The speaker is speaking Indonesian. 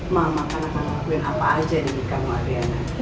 mama akan lakukan apa aja diimikan sama adriana